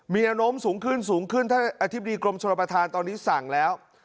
มีแนวโน้มสูงขึ้นสูงขึ้นท่านอธิบดีกรมชนประธานตอนนี้สั่งแล้ว